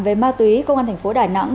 về ma túy công an tp đài nẵng